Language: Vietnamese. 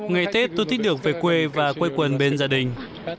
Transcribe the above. ngày tết tôi thích được về quê và quây quần bên gia đình